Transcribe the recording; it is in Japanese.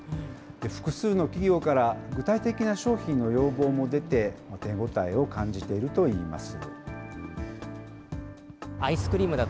複数の企業から具体的な商品の要望も出て、手応えを感じているといいます。